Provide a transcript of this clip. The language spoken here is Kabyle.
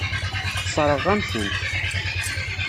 Sseṛɣeɣ-am-tent.